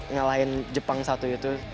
ngalahin jepang satu itu